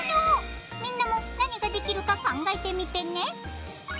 みんなも何ができるか考えてみてね